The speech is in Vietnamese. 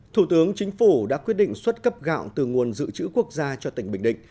thủ tướng chính phủ đã quyết định xuất cấp gạo từ nguồn dự trữ quốc gia cho tỉnh bình định